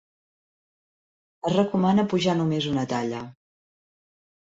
Es recomana pujar només una talla.